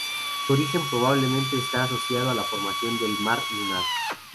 Su origen probablemente está asociado a la formación del mar lunar.